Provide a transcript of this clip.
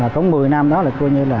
mà có một mươi năm đó là